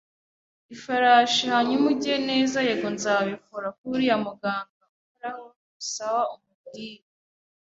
ifarashi, hanyuma ujye - neza, yego, nzabikora! - kuri uriya muganga uhoraho swab, umubwire